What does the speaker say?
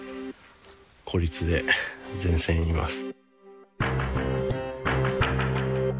孤立で前線にいます。